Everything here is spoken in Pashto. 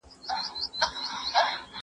زه له سهاره زدکړه کوم،